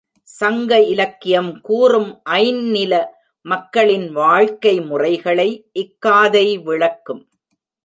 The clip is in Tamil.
சங்க இலக்கியம் கூறும் ஐந்நில மக்களின் வாழ்க்கை முறைகளை இக்காதை விளக்கும்.